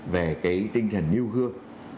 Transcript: về cái tinh thần nêu gương